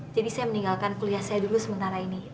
jadi saya meninggalkan kuliah saya dulu sementara ini